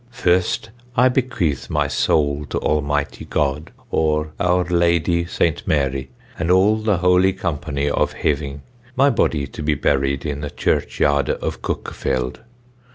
Fyrst I bequethe my sowle to Almyghty god or [our] lady St. Mary and all the holy company of heyvyng, my bodie to be buried in the church yarde of Cukefeld.